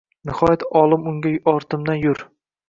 Nihoyat olim unga ortimdan yur